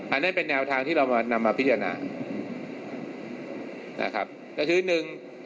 อันนั้นเป็นแนวทางที่เรามานำมาพิจารณานะครับก็คือหนึ่ง